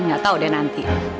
nggak tahu deh nanti